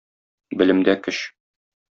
Белемдә көч.